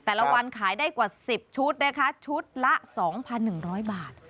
วันขายได้กว่า๑๐ชุดนะคะชุดละ๒๑๐๐บาท